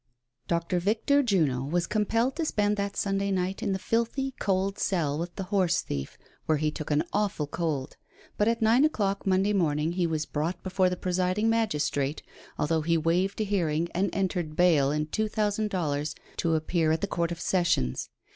lOCTOR VICTOR JUNO was compelled to spend that Sunday night in the lilthy, cold cell, with the horse thief, where he took an awful cold ; but at nine o'clock Monday morning he was brought before the presiding magistrate, although he waived a hearing and entered bail in two thousand dollars to appear at the Court of Sessions.